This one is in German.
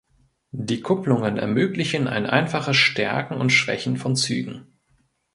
Die Kupplungen ermöglichen ein einfaches Stärken und Schwächen von Zügen.